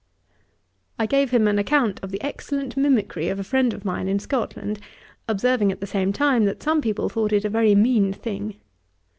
I gave him an account of the excellent mimickry of a friend of mine in Scotland; observing, at the same time, that some people thought it a very mean thing.